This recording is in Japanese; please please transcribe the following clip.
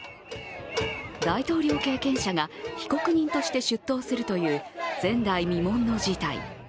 大統領経験者が被告人として出頭するという前代未聞の事態。